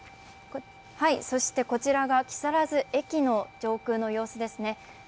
こちらが木更津駅の上空の様子ですね。